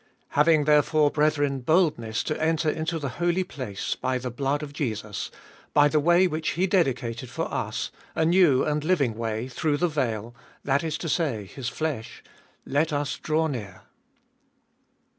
— 19. Having therefore, brethren, boldness to enter into the Holy Place by the blood of Jesus, by the way which he dedicated for us, a new and living way, through the veil, that is to say, his flesh ; 22. Let us draw near.